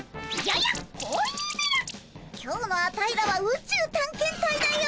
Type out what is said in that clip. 今日のアタイらは宇宙探検隊だよ。